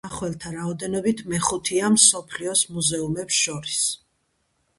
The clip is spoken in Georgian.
მნახველთა რაოდენობით მეხუთეა მსოფლიოს მუზეუმებს შორის.